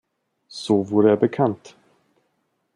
So wurde er bekannt.